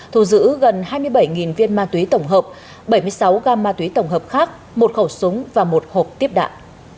thu giữ gần hai mươi bảy viên ma túy tổng hợp bảy mươi sáu gam ma túy tổng hợp khác một khẩu súng và một hộp tiếp đạn